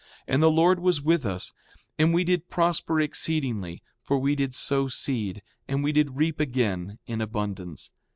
5:11 And the Lord was with us; and we did prosper exceedingly; for we did sow seed, and we did reap again in abundance.